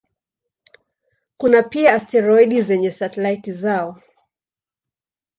Kuna pia asteroidi zenye satelaiti zao.